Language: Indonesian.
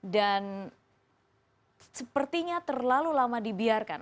dan sepertinya terlalu lama dibiarkan